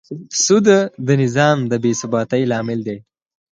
سود د نظام بېثباتي لامل دی.